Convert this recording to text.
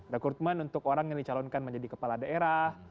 rekrutmen untuk orang yang dicalonkan menjadi kepala daerah